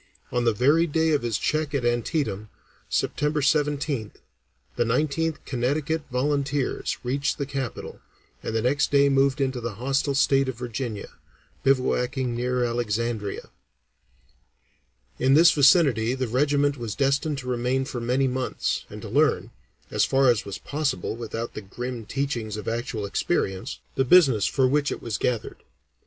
On the very day of his check at Antietam, September 17th, the Nineteenth Connecticut Volunteers reached the capital, and the next day moved into the hostile state of Virginia, bivouacking near Alexandria. [Illustration: The first encampment in Virginia] In this vicinity the regiment was destined to remain for many months, and to learn, as far as was possible without the grim teachings of actual experience, the business for which it was gathered.